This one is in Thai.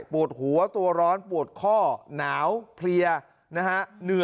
ปวดหัวตัวร้อนปวดข้อหนาวเพลียนะฮะ